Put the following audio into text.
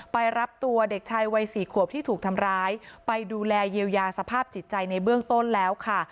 ไปรับตัวเด็กชายวัยสี่ขวบที่ถูกทำร้ายไปดูแลเยียวยาสภาพจิตใจในเบื้องต้นแล้วค่ะ